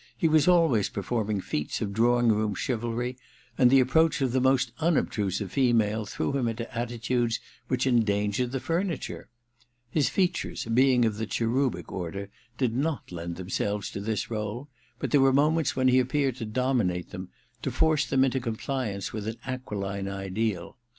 He was always performing feats of drawing room chivalry, and the approach of the most imobtilisive female threw him into attitudes 1 86 THE MISSION OF JANE v ; which endangered the furniture. His features, being of the cherubic order, did not lend them selves to this role ; but there were moments when he appeared to dominate them, to force them into compliance with an aquiline ideal.